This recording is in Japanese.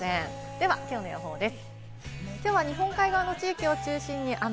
ではきょうの予報です。